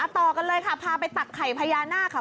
ต่อกันเลยค่ะพาไปตักไข่พญานาคค่ะ